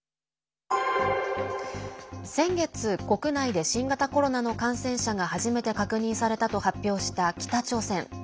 先月国内で新型コロナの感染者が初めて確認されたと発表した北朝鮮。